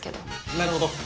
なるほど。